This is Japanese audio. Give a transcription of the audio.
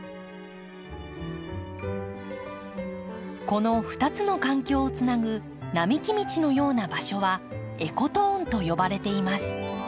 この２つの環境をつなぐ並木道のような場所はエコトーンと呼ばれています。